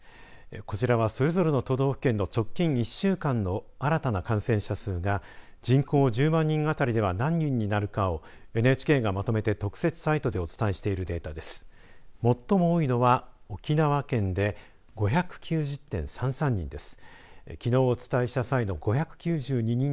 こちらは、それぞれの都道府県の直近１週間の新たな感染者数が人口１０万人あたりでは何人になるかをＮＨＫがまとめて特設サイトでお伝えしているデータです。